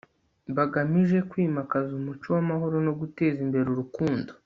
bagamije kwimakaza umuco w'amahoro no guteza imbere urukundo